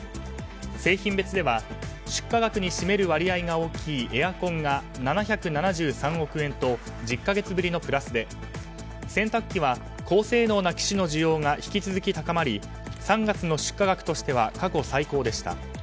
製品別では出荷額に占める割合が大きいエアコンが７７３億円と１０か月ぶりのプラスで洗濯機は高性能な機種の需要が引き続き高まり３月の出荷額としては過去最高でした。